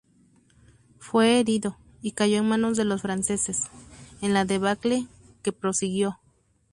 Fue herido, y cayó en manos de los franceses, en la debacle que prosiguió.